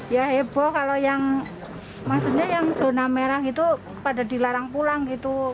ya heboh kalau yang maksudnya yang zona merah gitu pada dilarang pulang gitu